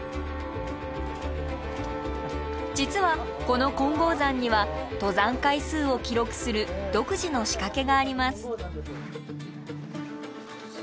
実はこの金剛山には登山回数を記録する独自の仕掛けがあります。